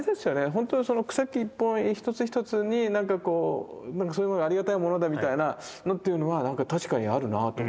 本当に草木一本一つ一つになんかこうそういうものはありがたいものだみたいなのっていうのは確かにあるなと思った。